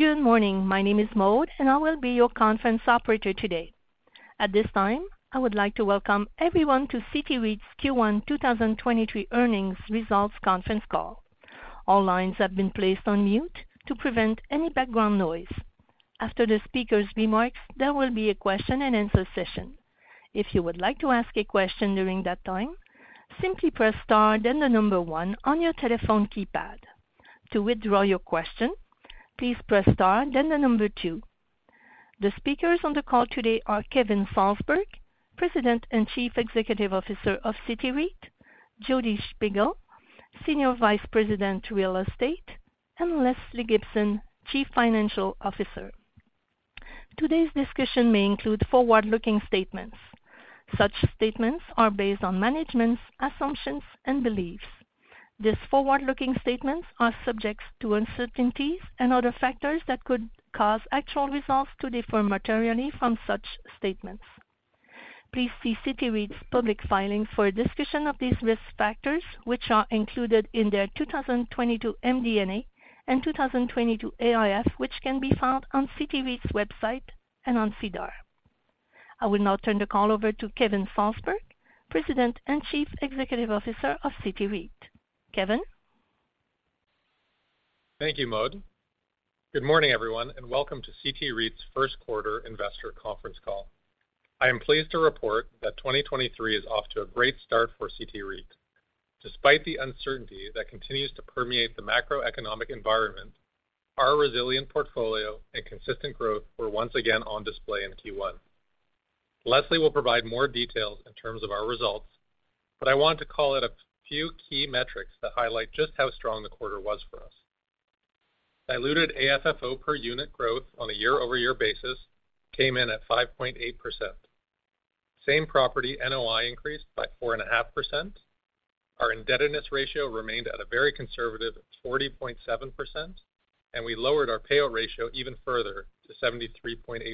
Good morning. My name is Maude. I will be your conference operator today. At this time, I would like to welcome everyone to CT REIT's Q1 2023 earnings results conference call. All lines have been placed on mute to prevent any background noise. After the speakers' remarks, there will be a question-and-answer session. If you would like to ask a question during that time, simply press star then the number one on your telephone keypad. To withdraw your question, please press star then the number two. The speakers on the call today are Kevin Salsberg, President and Chief Executive Officer of CT REIT; Jodi Shpigel, Senior Vice President, Real Estate; and Lesley Gibson, Chief Financial Officer. Today's discussion may include forward-looking statements. Such statements are based on management's assumptions and beliefs. These forward-looking statements are subject to uncertainties and other factors that could cause actual results to differ materially from such statements. Please see CT REIT's public filing for a discussion of these risk factors, which are included in their 2022 MD&A and 2022 AIF, which can be found on CT REIT's website and on SEDAR. I will now turn the call over to Kevin Salsberg, President and Chief Executive Officer of CT REIT. Kevin? Thank you, Maude. Good morning, everyone, Welcome to CT REIT's first quarter investor conference call. I am pleased to report that 2023 is off to a great start for CT REIT. Despite the uncertainty that continues to permeate the macroeconomic environment, our resilient portfolio and consistent growth were once again on display in Q1. Lesley will provide more details in terms of our results, but I want to call out a few key metrics that highlight just how strong the quarter was for us. Diluted AFFO per unit growth on a year-over-year basis came in at 5.8%. Same property NOI increased by 4.5%. Our indebtedness ratio remained at a very conservative 40.7%, and we lowered our payout ratio even further to 73.8%.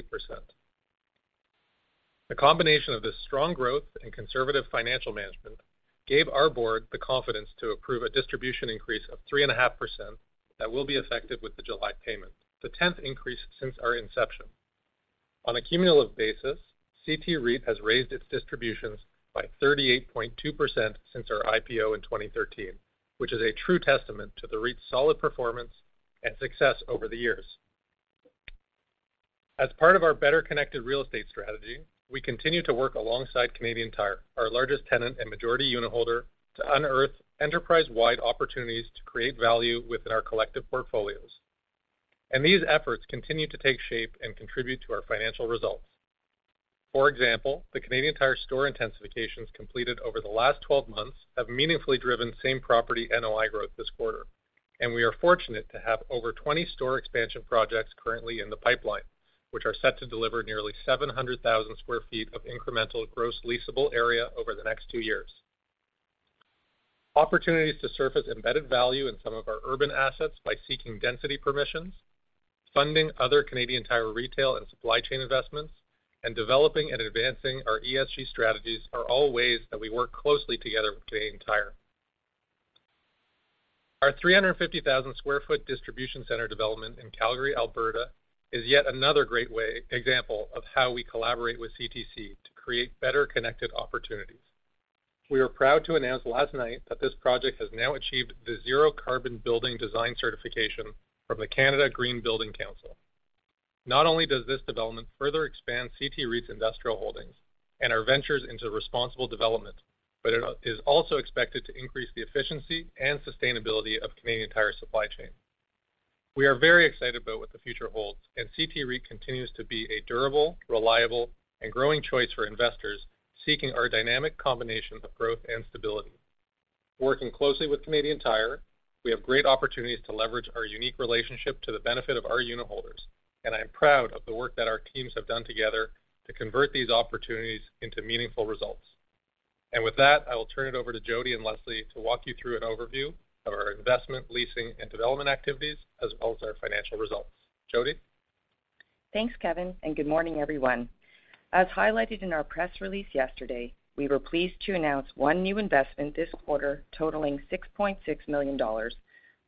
The combination of this strong growth and conservative financial management gave our board the confidence to approve a distribution increase of 3.5% that will be effective with the July payment, the 10th increase since our inception. On a cumulative basis, CT REIT has raised its distributions by 38.2% since our IPO in 2013, which is a true testament to the REIT's solid performance and success over the years. As part of our better-connected real estate strategy, we continue to work alongside Canadian Tire, our largest tenant and majority unitholder, to unearth enterprise-wide opportunities to create value within our collective portfolios, and these efforts continue to take shape and contribute to our financial results. For example, the Canadian Tire store intensifications completed over the last 12 months have meaningfully driven same-property NOI growth this quarter, and we are fortunate to have over 20 store expansion projects currently in the pipeline, which are set to deliver nearly 700,000 sq ft of incremental gross leasable area over the next two years. Opportunities to surface embedded value in some of our urban assets by seeking density permissions, funding other Canadian Tire retail and supply chain investments, and developing and advancing our ESG strategies are all ways that we work closely together with Canadian Tire. Our 350,000 sq ft distribution center development in Calgary, Alberta, is yet another great example of how we collaborate with CTC to create better connected opportunities. We are proud to announce last night that this project has now achieved the Zero Carbon Building design certification from the Canada Green Building Council. Not only does this development further expand CT REIT's industrial holdings and our ventures into responsible development, but it is also expected to increase the efficiency and sustainability of Canadian Tire supply chain. We are very excited about what the future holds and CT REIT continues to be a durable, reliable, and growing choice for investors seeking our dynamic combination of growth and stability. Working closely with Canadian Tire, we have great opportunities to leverage our unique relationship to the benefit of our unitholders, and I am proud of the work that our teams have done together to convert these opportunities into meaningful results. With that, I will turn it over to Jodi and Lesley to walk you through an overview of our investment, leasing, and development activities, as well as our financial results. Jodi? Thanks, Kevin. Good morning, everyone. As highlighted in our press release yesterday, we were pleased to announce 1 new investment this quarter totaling 6.6 million dollars.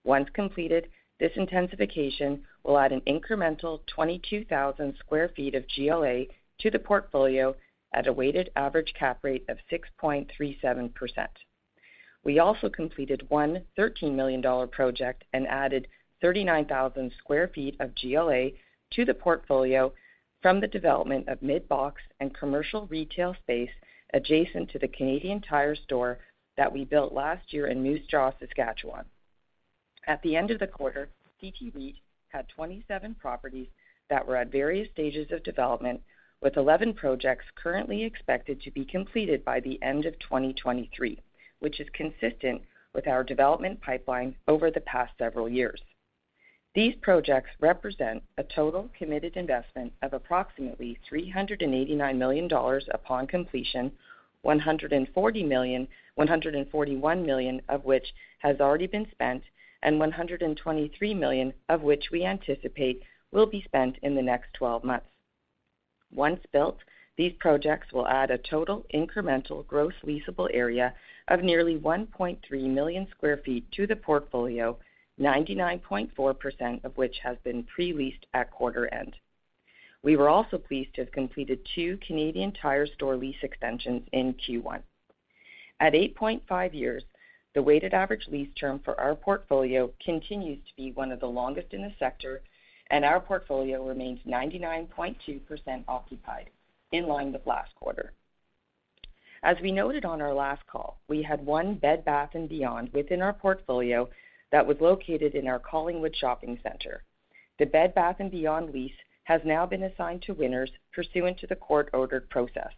Once completed, this intensification will add an incremental 22,000 sq ft of GLA to the portfolio at a weighted average cap rate of 6.37%. We also completed one 13 million dollar project and added 39,000 sq ft of GLA to the portfolio from the development of mid-box and commercial retail space adjacent to the Canadian Tire store that we built last year in Moose Jaw, Saskatchewan. At the end of the quarter, CT REIT had 27 properties that were at various stages of development, with 11 projects currently expected to be completed by the end of 2023, which is consistent with our development pipeline over the past several years. These projects represent a total committed investment of approximately 389 million dollars upon completion, 141 million of which has already been spent and 123 million of which we anticipate will be spent in the next 12 months. Once built, these projects will add a total incremental gross leasable area of nearly 1.3 million sq ft to the portfolio, 99.4% of which has been pre-leased at quarter end. We were also pleased to have completed two Canadian Tire store lease extensions in Q1. At 8.5 years, the weighted average lease term for our portfolio continues to be one of the longest in the sector, and our portfolio remains 99.2% occupied, in line with last quarter. As we noted on our last call, we had one Bed Bath & Beyond within our portfolio that was located in our Collingwood Shopping Center. The Bed Bath & Beyond lease has now been assigned to Winners pursuant to the court-ordered process.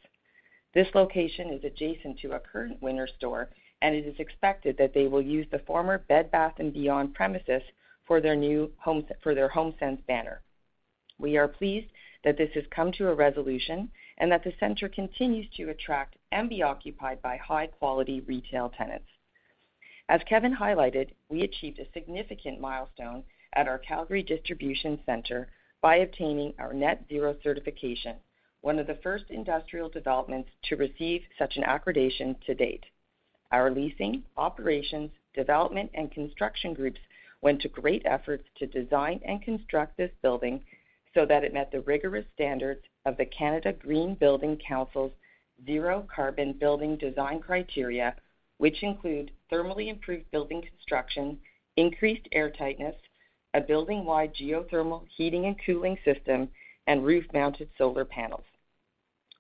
This location is adjacent to a current Winners store, and it is expected that they will use the former Bed Bath & Beyond premises for their HomeSense banner. We are pleased that this has come to a resolution, and that the center continues to attract and be occupied by high-quality retail tenants. As Kevin highlighted, we achieved a significant milestone at our Calgary Distribution Center by obtaining our net zero certification, one of the first industrial developments to receive such an accreditation to date. Our leasing, operations, development, and construction groups went to great efforts to design and construct this building so that it met the rigorous standards of the Canada Green Building Council's Zero Carbon Building design criteria, which include thermally improved building construction, increased airtightness, a building-wide geothermal heating and cooling system, and roof-mounted solar panels.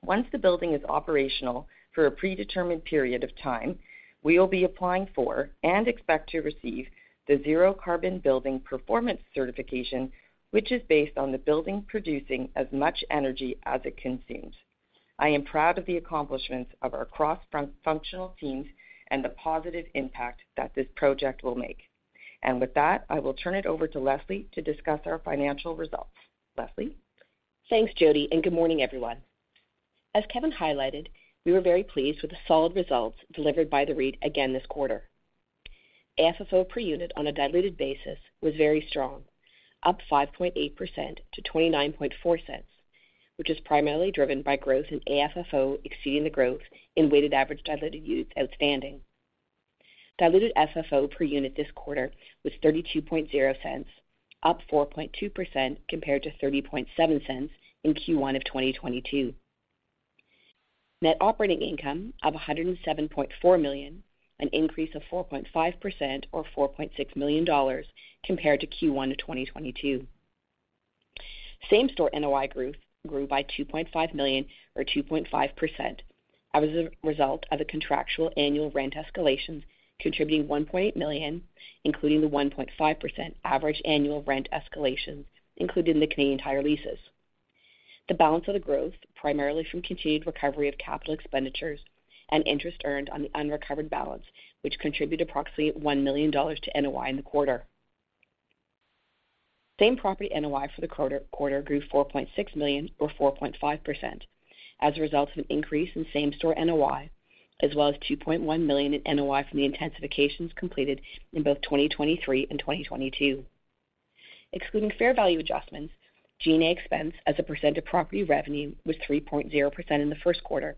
Once the building is operational for a predetermined period of time, we will be applying for and expect to receive the Zero Carbon Building performance certification, which is based on the building producing as much energy as it consumes. I am proud of the accomplishments of our cross-functional teams and the positive impact that this project will make. With that, I will turn it over to Lesley to discuss our financial results. Lesley? Thanks Jodi and good morning, everyone. As Kevin highlighted, we were very pleased with the solid results delivered by the REIT again this quarter. AFFO per unit on a diluted basis was very strong, up 5.8% to $0.294, which is primarily driven by growth in AFFO exceeding the growth in weighted average diluted units outstanding. Diluted FFO per unit this quarter was $0.320, up 4.2% compared to $0.307 in Q1 2022. Net operating income of 107.4 million, an increase of 4.5% or 4.6 million dollars compared to Q1 2022. Same-store NOI growth grew by 2.5 million or 2.5% as a result of the contractual annual rent escalations contributing 1.8 million, including the 1.5% average annual rent escalations included in the Canadian Tire leases. The balance of the growth, primarily from continued recovery of capital expenditures and interest earned on the unrecovered balance, which contributed approximately 1 million dollars to NOI in the quarter. Same-property NOI for the quarter grew 4.6 million or 4.5% as a result of an increase in same-store NOI, as well as 2.1 million in NOI from the intensifications completed in both 2023 and 2022. Excluding fair value adjustments, G&A expense as a percent of property revenue was 3.0% in the first quarter,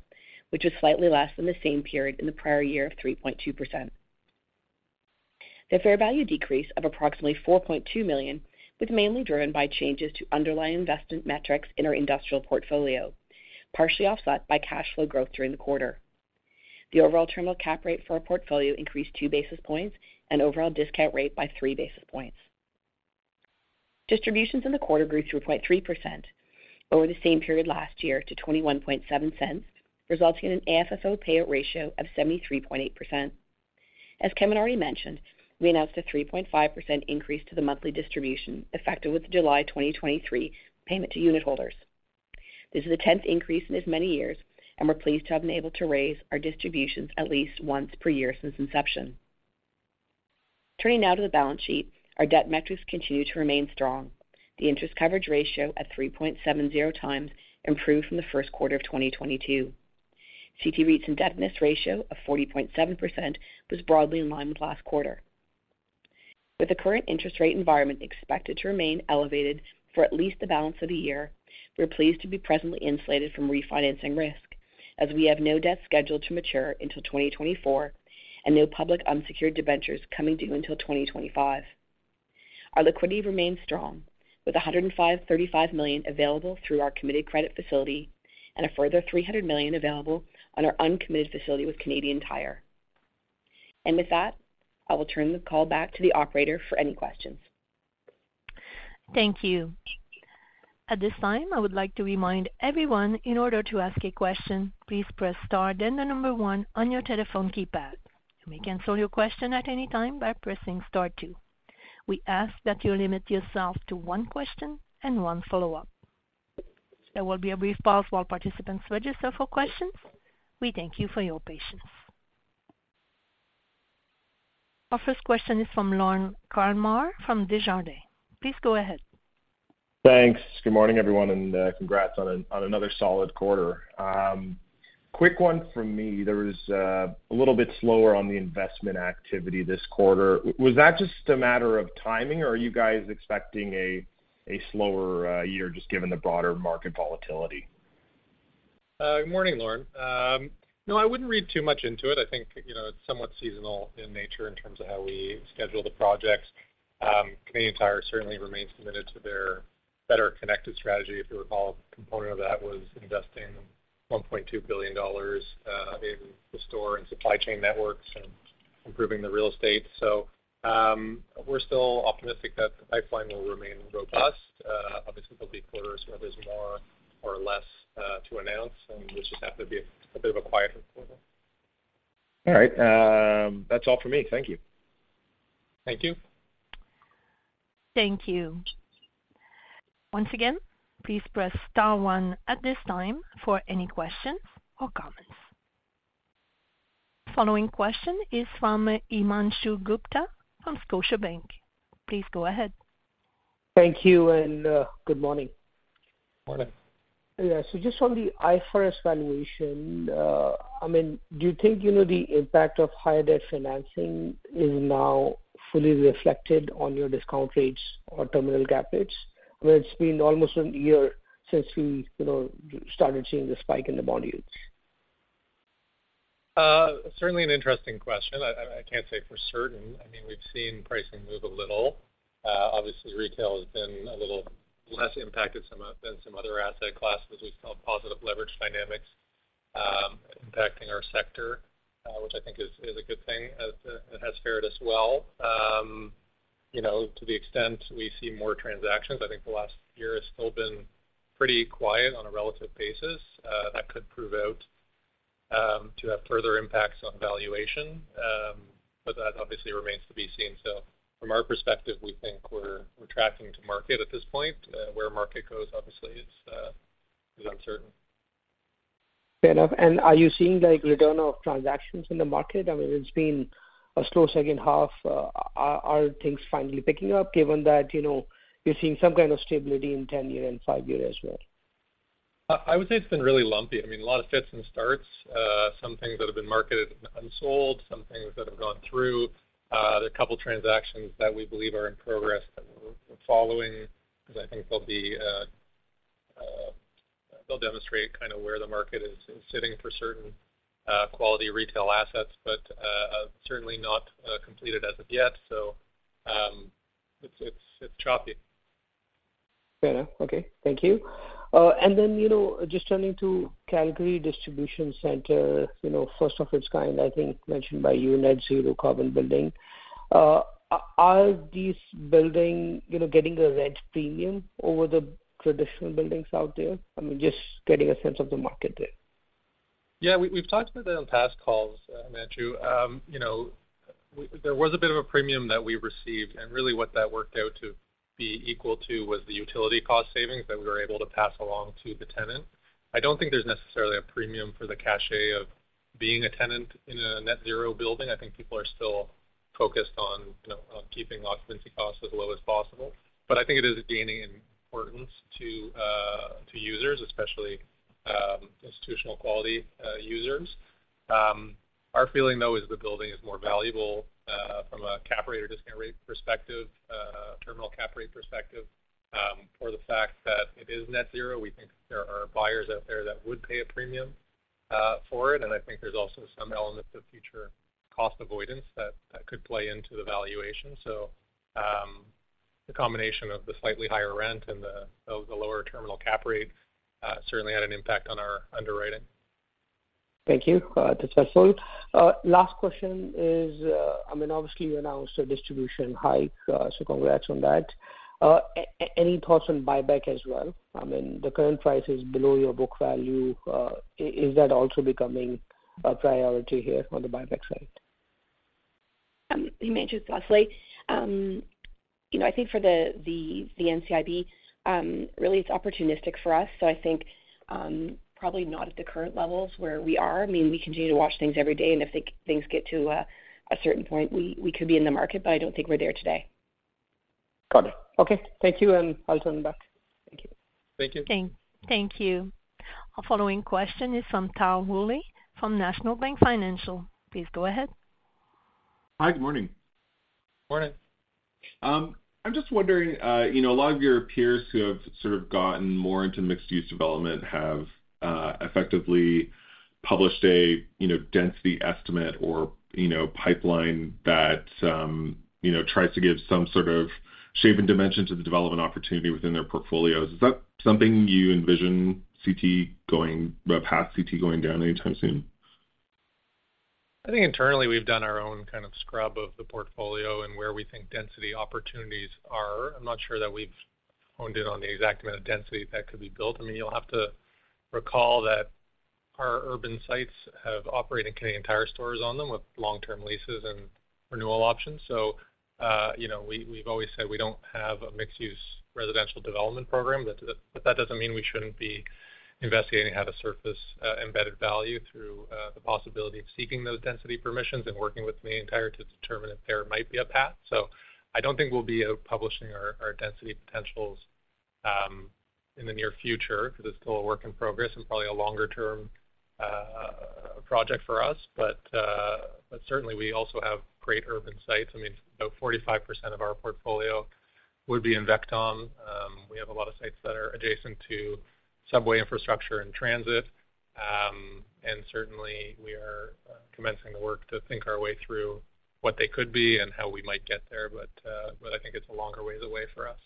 which was slightly less than the same period in the prior year of 3.2%. The fair value decrease of approximately 4.2 million was mainly driven by changes to underlying investment metrics in our industrial portfolio, partially offset by cash flow growth during the quarter. The overall terminal cap rate for our portfolio increased 2 basis points and overall discount rate by 3 basis points. Distributions in the quarter grew 2.3% over the same period last year to 0.217, resulting in an AFFO payout ratio of 73.8%. As Kevin already mentioned, we announced a 3.5% increase to the monthly distribution effective with the July 2023 payment to unitholders. This is the 10th increase in as many years, and we're pleased to have been able to raise our distributions at least once per year since inception. Turning now to the balance sheet, our debt metrics continue to remain strong. The interest coverage ratio at 3.70 times improved from the first quarter of 2022. CT REIT's indebtedness ratio of 40.7% was broadly in line with last quarter. With the current interest rate environment expected to remain elevated for at least the balance of the year, we're pleased to be presently insulated from refinancing risk, as we have no debt scheduled to mature until 2024 and no public unsecured debentures coming due until 2025. Our liquidity remains strong, with 135 million available through our committed credit facility and a further 300 million available on our uncommitted facility with Canadian Tire. With that, I will turn the call back to the operator for any questions. Thank you. At this time, I would like to remind everyone in order to ask a question, please press star then the number one on your telephone keypad. You may cancel your question at any time by pressing star two. We ask that you limit yourself to one question and one follow-up. There will be a brief pause while participants register for questions. We thank you for your patience. Our first question is from Lorne Kalmar from Desjardins. Please go ahead. Thanks. Good morning, everyone, and congrats on another solid quarter. Quick one from me. There was a little bit slower on the investment activity this quarter. Was that just a matter of timing, or are you guys expecting a slower year just given the broader market volatility? Good morning, Lorne. No, I wouldn't read too much into it. I think, you know, it's somewhat seasonal in nature in terms of how we schedule the projects. Canadian Tire certainly remains committed to their better connected strategy. If you recall, a component of that was investing 1.2 billion dollars in the store and supply chain networks and improving the real estate. We're still optimistic that the pipeline will remain robust. Obviously, there'll be quarters where there's more or less to announce, and this just happened to be a bit of a quieter quarter. All right. That's all for me. Thank you. Thank you. Thank you. Once again, please press star 1 at this time for any questions or comments. Following question is from Himanshu Gupta from Scotiabank. Please go ahead. Thank you, good morning. Morning. Just on the IFRS valuation, I mean, do you think you know the impact of higher debt financing is now fully reflected on your discount rates or terminal gap rates, where it's been almost one year since we, you know, started seeing the spike in the bond yields? Certainly an interesting question. I can't say for certain. I mean, we've seen pricing move a little. Obviously retail has been a little less impacted some than some other asset classes. We've saw positive leverage dynamics impacting our sector, which I think is a good thing. It has fared us well. You know, to the extent we see more transactions, I think the last year has still been pretty quiet on a relative basis, that could prove out to have further impacts on valuation. That obviously remains to be seen. From our perspective, we think we're tracking to market at this point. Where market goes, obviously is uncertain. Fair enough. Are you seeing, like, return of transactions in the market? I mean, it's been a slow second half. Are things finally picking up given that, you know, you're seeing some kind of stability in ten-year and five-year as well? I would say it's been really lumpy. I mean a lot of fits and starts. Some things that have been marketed unsold, some things that have gone through. There are a couple transactions that we believe are in progress that we're following because I think they'll be - they'll demonstrate kind of where the market is sitting for certain quality retail assets. Certainly not completed as of yet. It's choppy. Fair enough. Okay, thank you. You know, just turning to Calgary Distribution Center you know, first of its kind, I think mentioned by you, net zero carbon building. Are these building, you know, getting a rent premium over the traditional buildings out there? I mean, just getting a sense of the market there. Yeah. We've talked about that on past calls, Himanshu. You know, there was a bit of a premium that we received, and really what that worked out to be equal to was the utility cost savings that we were able to pass along to the tenant. I don't think there's necessarily a premium for the cachet of being a tenant in a net zero building. I think people are still focused on, you know, on keeping occupancy costs as low as possible. I think it is gaining importance to users, especially institutional quality users. Our feeling though, is the building is more valuable from a cap rate or discount rate perspective, terminal cap rate perspective, for the fact that it is net zero. We think there are buyers out there that would pay a premium for it, and I think there's also some element of future cost avoidance that could play into the valuation. The combination of the slightly higher rent and the lower terminal cap rate, certainly had an impact on our underwriting. Thank you. That's helpful. Last question is, I mean, obviously you announced a distribution hike. Congrats on that. Any thoughts on buyback as well? I mean, the current price is below your book value. Is that also becoming a priority here on the buyback side? Himanshu, it's Lesley. you know, I think for the NCIB, really it's opportunistic for us. I think, probably not at the current levels where we are. I mean, we continue to watch things every day, and if things get to a certain point, we could be in the market. I don't think we're there today. Got it. Okay. Thank you. I'll turn it back. Thank you. Thank you. Thank you. Our following question is from Tal Woolley from National Bank Financial. Please go ahead. Hi. Good morning. Morning. I'm just wondering, you know, a lot of your peers who have sort of gotten more into mixed-use development have effectively published a, you know, density estimate or, you know, pipeline that, you know, tries to give some sort of shape and dimension to the development opportunity within their portfolios. Is that something you envision a path CT going down anytime soon? I think internally we've done our own kind of scrub of the portfolio and where we think density opportunities are. I'm not sure that we've honed in on the exact amount of density that could be built. I mean, you'll have to recall that our urban sites have operating Canadian Tire stores on them with long-term leases and renewal options. You know, we've always said we don't have a mixed-use residential development program. But that doesn't mean we shouldn't be investigating how to surface embedded value through the possibility of seeking those density permissions and working with Canadian Tire to determine if there might be a path. I don't think we'll be out publishing our density potentials in the near future, because it's still a work in progress and probably a longer-term project for us. Certainly, we also have great urban sites. I mean, about 45% of our portfolio would be in VECTOM. We have a lot of sites that are adjacent to subway infrastructure and transit. Certainly, we are commencing the work to think our way through what they could be and how we might get there. I think it's a longer ways away for us.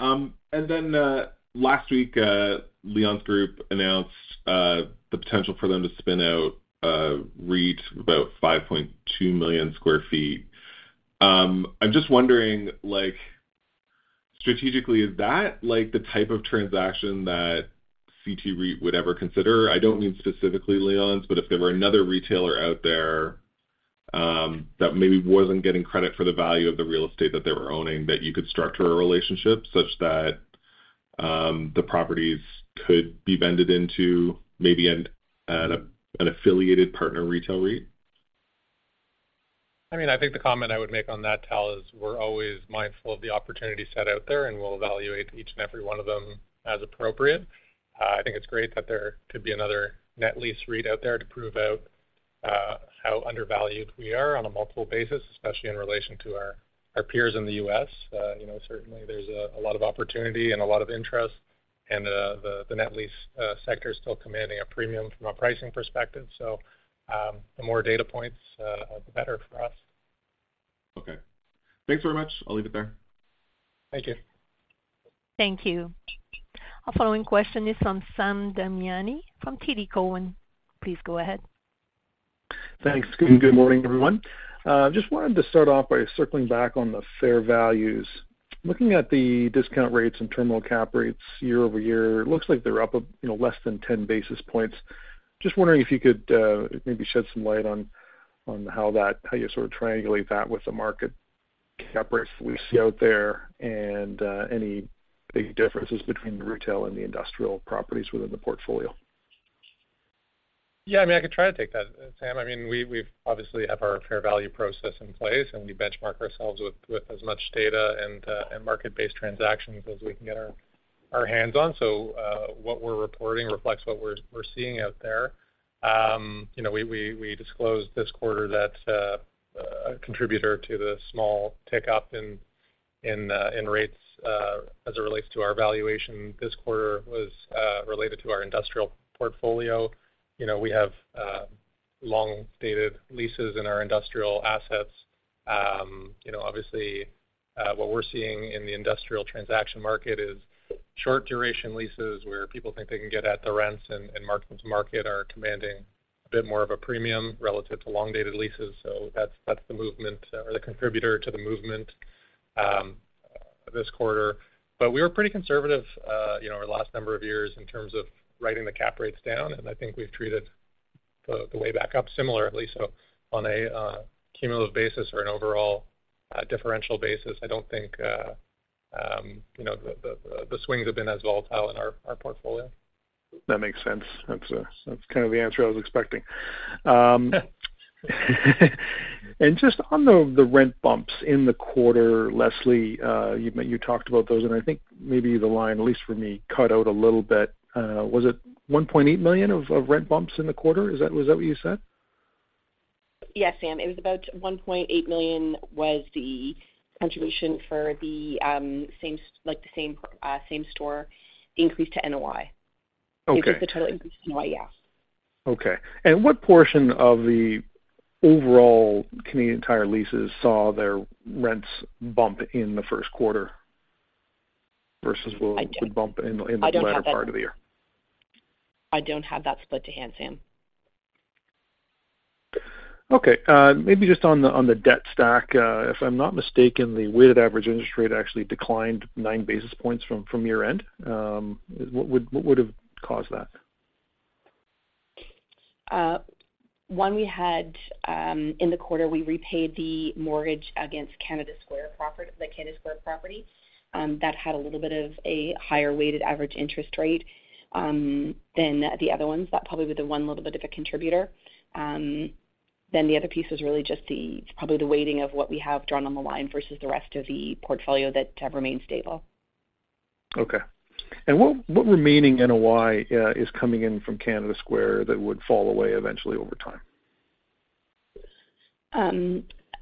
Okay. Then last week, Leon's group announced, the potential for them to spin out, REIT about 5.2 million sq ft. I'm just wondering, like, strategically, is that, like, the type of transaction that CT REIT would ever consider? I don't mean specifically Leon's, but if there were another retailer out there, that maybe wasn't getting credit for the value of the real estate that they were owning, that you could structure a relationship such that, the properties could be vended into maybe an affiliated partner retail REIT. I mean I think the comment I would make on that, Tal, is we're always mindful of the opportunity set out there, and we'll evaluate each and every one of them as appropriate. I think it's great that there could be another net lease REIT out there to prove out how undervalued we are on a multiple basis, especially in relation to our peers in the U.S. You know, certainly there's a lot of opportunity and a lot of interest, and the net lease sector is still commanding a premium from a pricing perspective. The more data points the better for us. Okay. Thanks very much. I'll leave it there. Thank you. Thank you. Our following question is from Sam Damiani from TD Cowen. Please go ahead. Thanks. Good morning everyone. just wanted to start off by circling back on the fair values. Looking at the discount rates and terminal cap rates year over year, it looks like they're up, you know, less than 10 basis points. Just wondering if you could, maybe shed some light on how you sort of triangulate that with the market cap rates we see out there and any big differences between the retail and the industrial properties within the portfolio? Yeah. I mean I could try to take that, Sam. I mean we've obviously have our fair value process in place, and we benchmark ourselves with as much data and market-based transactions as we can get our hands on. What we're reporting reflects what we're seeing out there. You know, we disclosed this quarter that a contributor to the small tick-up in rates as it relates to our valuation this quarter was related to our industrial portfolio. You know, we have long-dated leases in our industrial assets. You know, obviously, what we're seeing in the industrial transaction market is short duration leases where people think they can get at the rents and markets are commanding a bit more of a premium relative to long-dated leases. That's the movement or the contributor to the movement this quarter. We were pretty conservative, you know, over the last number of years in terms of writing the cap rates down, and I think we've treated the way back up similarly. On a cumulative basis or an overall differential basis, I don't think, you know, the swings have been as volatile in our portfolio. That makes sense. That's kind of the answer I was expecting. Just on the rent bumps in the quarter, Lesley you talked about those, and I think maybe the line at least for me, cut out a little bit. Was it 1.8 million of rent bumps in the quarter? Is that what you said? Yes, Sam. It was about 1.8 million was the contribution for the same store increase to NOI. Okay. It was the total increase to NOI, yeah. Okay. What portion of the overall Canadian Tire leases saw their rents bump in the first quarter versus. the bump in the - I don't have that. latter part of the year? I don't have that split to hand, Sam. Okay. maybe just on the debt stack. If I'm not mistaken, the weighted average interest rate actually declined 9 basis points from year-end. What would've caused that? One, we had in the quarter, we repaid the mortgage against the Canada Square property. That had a little bit of a higher weighted average interest rate than the other ones. That probably would have been one little bit of a contributor. The other piece is really just the, probably the weighting of what we have drawn on the line versus the rest of the portfolio that have remained stable. Okay. What remaining NOI is coming in from Canada Square that would fall away eventually over time?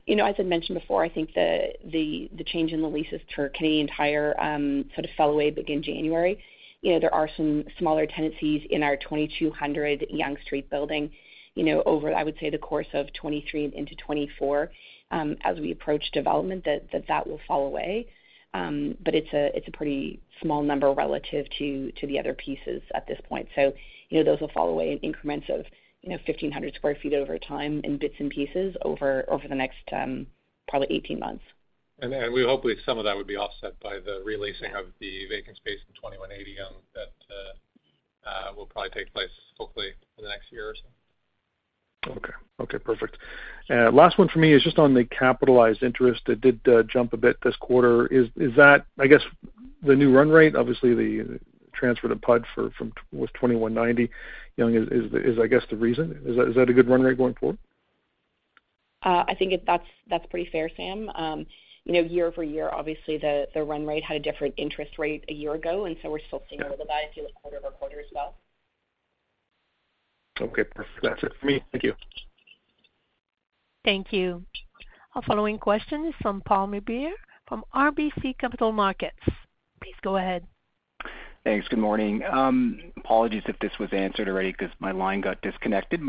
You know, as I mentioned before, I think the change in the leases for Canadian Tire sort of fell away back in January. You know, there are some smaller tenancies in our 2200 Yonge Street building, you know, over, I would say, the course of 2023 and into 2024, as we approach development that will fall away. It's a pretty small number relative to the other pieces at this point. You know, those will fall away in increments of, you know, 1,500 sq ft over time in bits and pieces over the next probably 18 months. We hopefully some of that would be offset by the re-leasing of the vacant space in 2180 Yonge that will probably take place hopefully in the next year or so. Okay. Okay, perfect. Last one for me is just on the capitalized interest that did jump a bit this quarter. Is that, I guess, the new run rate? Obviously, the transfer to PUD for, from, with 2190 Yonge is I guess, the reason. Is that a good run rate going forward? I think that's pretty fair, Sam. You know, year-over-year, obviously, the run rate had a different interest rate a year ago, and so we're still seeing over the buy if you look quarter-over-quarter as well. Okay. That's it for me. Thank you. Thank you. Our following question is from Pammi Bir from RBC Capital Markets. Please go ahead. Thanks. Good morning. Apologies if this was answered already because my line got disconnected.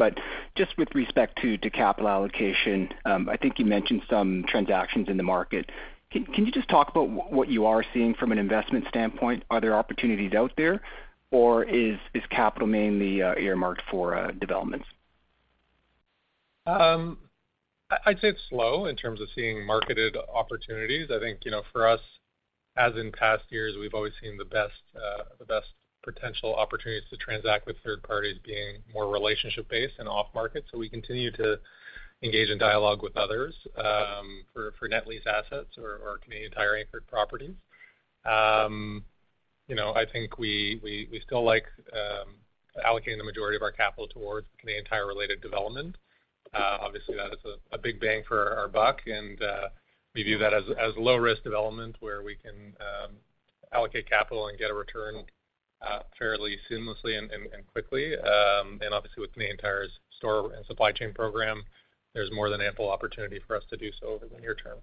Just with respect to capital allocation, I think you mentioned some transactions in the market. Can you just talk about what you are seeing from an investment standpoint? Are there opportunities out there, or is capital mainly earmarked for developments? I'd say it's slow in terms of seeing marketed opportunities. I think, you know, for us, as in past years, we've always seen the best, the best potential opportunities to transact with third parties being more relationship-based and off-market. We continue to engage in dialogue with others, for net lease assets or Canadian Tire anchored properties. You know, I think we still like allocating the majority of our capital towards Canadian Tire-related development. Obviously, that is a big bang for our buck, and we view that as low risk development where we can allocate capital and get a return fairly seamlessly and quickly. And obviously with Canadian Tire's store and supply chain program, there's more than ample opportunity for us to do so over the near term.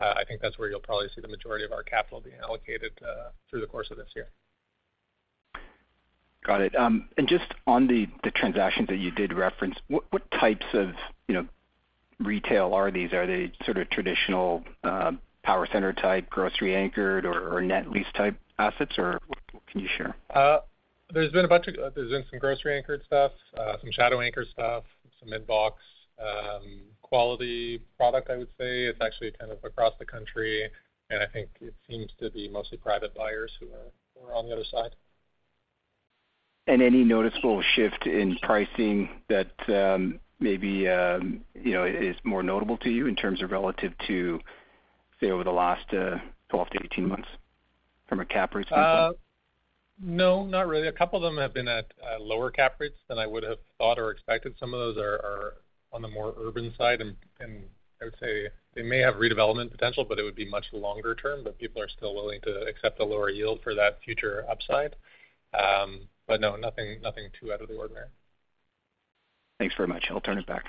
I think that's where you'll probably see the majority of our capital being allocated through the course of this year. Got it. Just on the transactions that you did reference, what types of, you know, retail are these? Are they sort of traditional, power center type, grocery anchored or net lease type assets? Or what can you share? There's been some grocery anchored stuff, some shadow anchor stuff, some mid-box, quality product, I would say. It's actually kind of across the country, and I think it seems to be mostly private buyers who are on the other side. Any noticeable shift in pricing that, maybe you know, is more notable to you in terms of relative to, say, over the last, 12 to 18 months from a cap rates perspective? No, not really. A couple of them have been at lower cap rates than I would have thought or expected. Some of those are on the more urban side. I would say they may have redevelopment potential, but it would be much longer term, but people are still willing to accept a lower yield for that future upside. No, nothing too out of the ordinary. Thanks very much. I'll turn it back.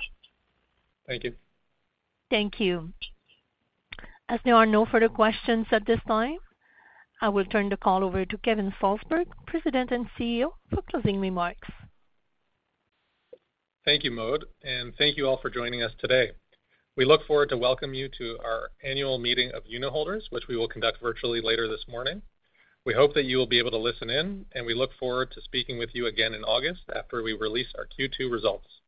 Thank you. Thank you. As there are no further questions at this time, I will turn the call over to Kevin Salsberg, President and CEO, for closing remarks. Thank you, Maude. Thank you all for joining us today. We look forward to welcome you to our annual meeting of unitholders, which we will conduct virtually later this morning. We hope that you will be able to listen in, and we look forward to speaking with you again in August after we release our Q2 results.